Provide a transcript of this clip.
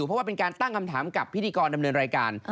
เพราะว่าเป็นการตั้งคำถามกับพิธีกรดำเนินรายการ